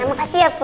terima kasih ya bu